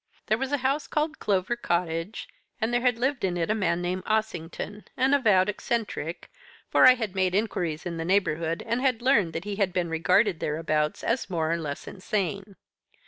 There was a house called Clover Cottage, and there had lived in it a man named Ossington, an avowed eccentric for I had made inquiries in the neighbourhood, and had learned that he had been regarded thereabouts as more or less insane.